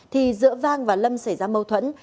thì giữa vang và lâm xảy ra mâu thuẫn